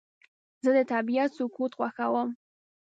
زه د طبیعت سکوت خوښوم.